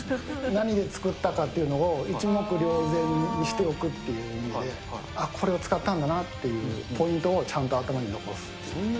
何で作ったかというのを一目瞭然にしておくっていう、あっ、これを使ったんだなっていうポイントをちゃんと頭に残すっていう。